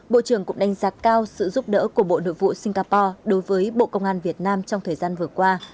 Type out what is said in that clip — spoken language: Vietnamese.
bộ trưởng cũng đánh giá cao sự giúp đỡ của bộ nội vụ singapore đối với bộ công an việt nam trong thời gian vừa qua